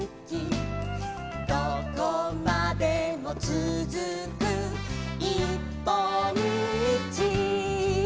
「どこまでもつづくいっぽんみち」